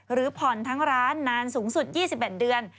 หรือผ่อนทั้งร้านนานสูงสุด๒๑เดือน